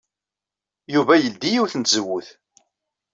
Yuba yeldey yiwet n tzewwut.